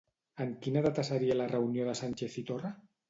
En quina data seria la reunió de Sánchez i Torra?